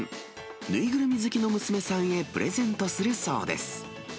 縫いぐるみ好きの娘さんへプレゼントするそうです。